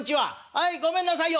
はいごめんなさいよ」。